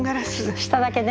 下だけね。